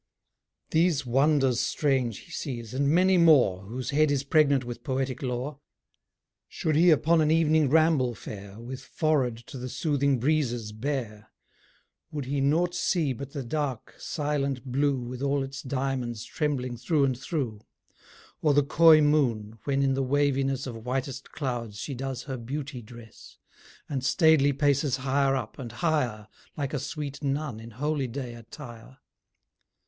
These wonders strange be sees, and many more, Whose head is pregnant with poetic lore. Should he upon an evening ramble fare With forehead to the soothing breezes bare, Would he naught see but the dark, silent blue With all its diamonds trembling through and through: Or the coy moon, when in the waviness Of whitest clouds she does her beauty dress, And staidly paces higher up, and higher, Like a sweet nun in holy day attire?